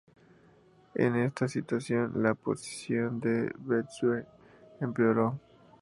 En esta situación, la posición de Bestúzhev empeoró.